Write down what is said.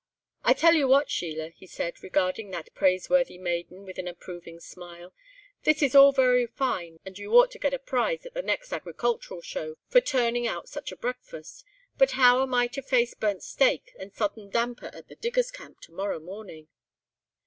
"I tell you what, Sheila," he said, regarding that praiseworthy maiden with an approving smile, "this is all very fine and you ought to get a prize at the next Agricultural Show, for turning out such a breakfast, but how am I to face burnt steak and sodden damper at the diggers' camp to morrow morning?"